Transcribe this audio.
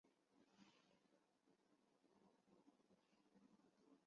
震撼花样滑冰界的恶女主角的最凶传说就这样开始了！